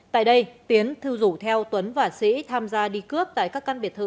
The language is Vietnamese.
tại đây tiến thư rủ theo tuấn và sĩ tham gia đi cướp tại các căn biệt thự